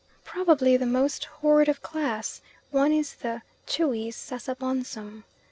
Probably the most horrid of class one is the Tschwi's Sasabonsum.